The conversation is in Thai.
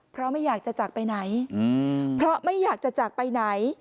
เพราะไม่อยากจะจากไปไหนเพราะไม่อยากจะจากไปไหน